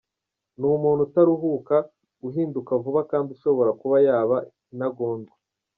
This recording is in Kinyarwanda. Ni umuntu utaruhuka, uhinduka vuba kandi ushobora kuba yaba intagondwa.